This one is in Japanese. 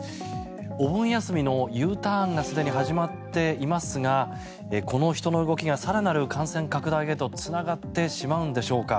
お盆休みのＵターンがすでに始まっていますがこの人の動きが更なる感染拡大へとつながってしまうんでしょうか。